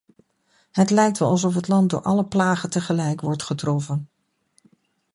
Het lijkt wel alsof het land door alle plagen tegelijk wordt getroffen.